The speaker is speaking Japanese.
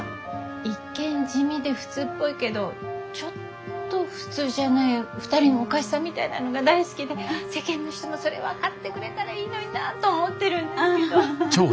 一見地味で普通っぽいけどちょっと普通じゃない２人のおかしさみたいなのが大好きで世間の人もそれ分かってくれたらいいのになと思ってるんですけど。